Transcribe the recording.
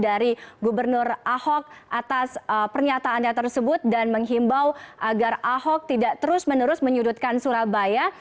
dari gubernur ahok atas pernyataannya tersebut dan menghimbau agar ahok tidak terus menerus menyudutkan surabaya